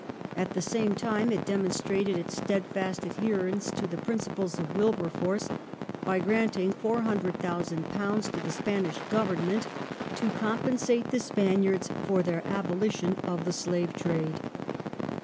At the same time itanthropic demonstrated its steadfast adherence to the principles of Wilber °^J*^^s force by granting £400,000 to the Spanish Government to com pensate the Spaniards for their abolition of the slave trade.